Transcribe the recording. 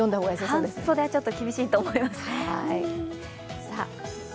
半袖はちょっと厳しいと思います。